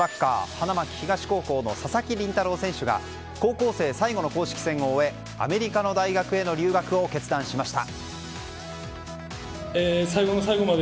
花巻東高校の佐々木麟太郎選手が高校生最後の公式戦を終えアメリカの大学への留学を決断しました。